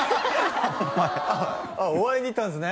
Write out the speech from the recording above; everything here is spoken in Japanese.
お会いに行ったんですね